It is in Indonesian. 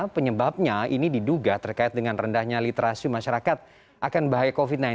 penyebabnya ini diduga terkait dengan rendahnya literasi masyarakat akan bahaya covid sembilan belas